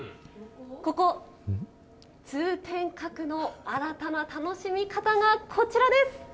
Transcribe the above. ここ、通天閣の新たな楽しみ方が、こちらです。